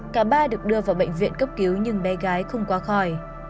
cả ba được đưa vào bệnh viện cấp cứu nhưng bé gái không qua khỏi